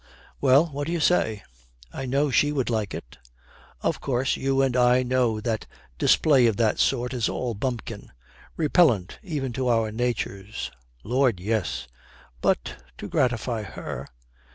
'Well, what do you say?' 'I know she would like it.' 'Of course you and I know that display of that sort is all bunkum repellent even to our natures.' 'Lord, yes!' 'But to gratify her.'